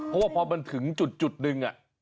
เพราะว่าพอมันถึงจุดหนึ่ง